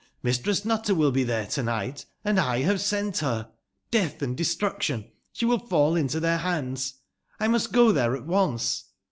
Mistress Nutter will be tbere to nigbt. And I bave sent ber. Deatb and destruction ! sbe will f 8^ into tbeir bands. I must go tbere at once.